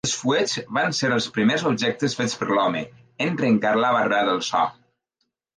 Els fuets van ser els primers objectes fets per l'home en trencar la barrera del so.